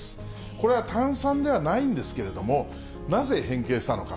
これは炭酸ではないんですけれども、なぜ変形したのか。